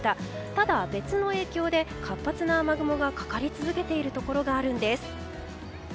ただ別の影響で活発な雨雲がかかり続けているところがあるんです。